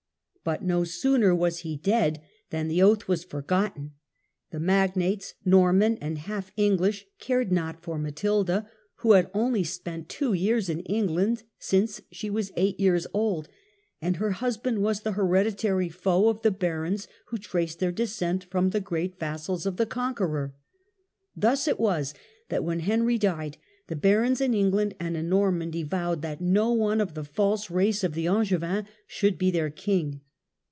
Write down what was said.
But no sooner was he dead than the oath was forgotten. The magnates, Norman and half English, cared not for Matilda, who had only spent two years in England since she was eight years old; and her husband was the hereditary foe of the barons who traced their descent from the great vassals of the Conqueror. Thus it was that when Henry died, the barons in England and in Normandy vowed that no one of the false race of the Angevins should be their king.